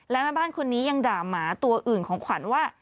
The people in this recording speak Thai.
และแม่บ้านคนนี้ยังด่าหมาตัวอื่นของขวัญว่า